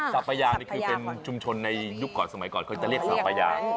ภรรยานี่คือเป็นชุมชนในยุคก่อนสมัยก่อนเขาจะเรียกสัมปะยาง